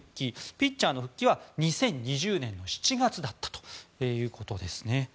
ピッチャーの復帰は２０２０年の７月だったということですね。